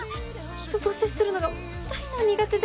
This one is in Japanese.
人と接するのが大の苦手で。